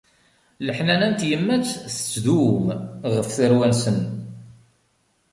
Leḥnana n tyemmat tettdum ɣef tarwa-nsen.